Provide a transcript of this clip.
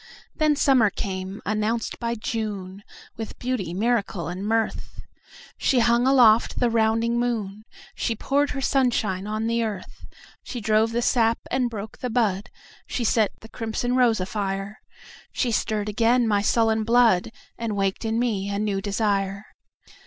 Then summer came, announced by June, With beauty, miracle and mirth. She hung aloft the rounding moon, She poured her sunshine on the earth, She drove the sap and broke the bud, She set the crimson rose afire. She stirred again my sullen blood, And waked in me a new desire.